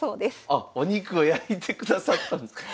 あっお肉を焼いてくださったんですか。